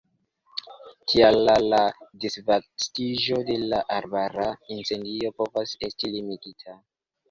Tial la la disvastiĝo de arbara incendio povas esti limigita.